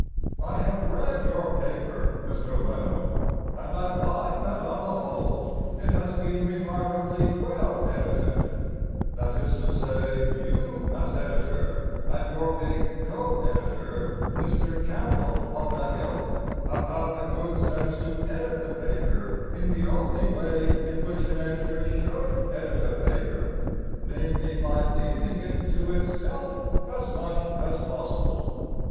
I have read your paper, Mr. Leno, And I find that on the whole It has been remarkably well edited: That is to say, you as Editor And your big co editor, Mr. Campbell of that ilk, Have had the good sense To edit the paper In the only way in which an editor Should edit a paper, Namely, by leaving it to itself As much as possible.